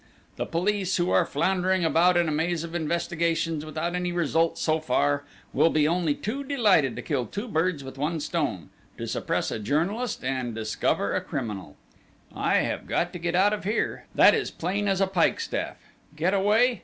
The police, who are floundering about in a maze of investigations, without any result so far, will be only too delighted to kill two birds with one stone to suppress a journalist and discover a criminal!... I have got to get out of here; that is plain as a pikestaff!... Get away?